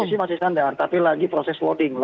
masih masih sandar tapi lagi proses loading